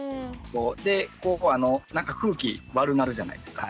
で空気悪なるじゃないですか。